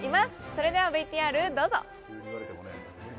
それではＶＴＲどうぞ！